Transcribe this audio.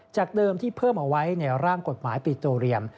จากเดิมที่เพิ่มเอาไว้ในร่างกฎหมายปิโตเรียม